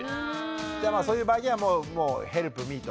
じゃあそういう場合にはもうヘルプミーと。